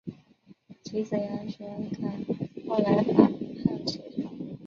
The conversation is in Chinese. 其子杨玄感后来反叛隋朝。